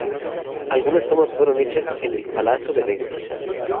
Algunas tomas fueron hechas en el Palazzo Venezia.